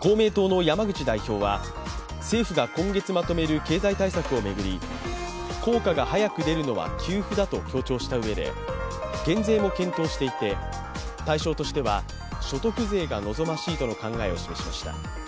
公明党の山口代表は政府が今月まとめる経済対策を巡り効果が早く出るのは給付だと強調したうえで、減税も検討していて対象としては所得税が望ましいとの考えを示しました。